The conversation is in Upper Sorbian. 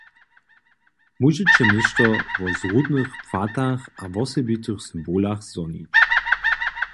Móžeće něšto wo zrudnych płatach a wosebitych symbolach zhonić.